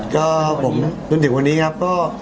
จนถึงวันนี้ครับ